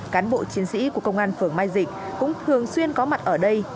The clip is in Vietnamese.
cán bộ chiến sĩ của công an phường mai dịch cũng thường xuyên có mặt ở đây